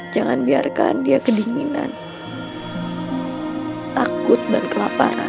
jangan biarkan dia kedinginan takut dan kelaparan